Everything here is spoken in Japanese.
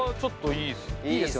いいですよね。